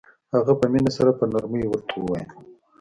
هغه په مينه سره په نرمۍ ورته وويل.